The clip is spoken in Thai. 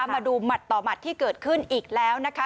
มาดูหมัดต่อหมัดที่เกิดขึ้นอีกแล้วนะคะ